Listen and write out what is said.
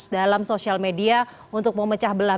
dalam sosial media untuk memecah belah